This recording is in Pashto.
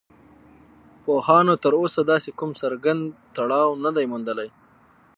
پوهانو تر اوسه داسې کوم څرگند تړاو نه دی موندلی